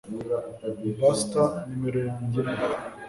buster numero yanjye ine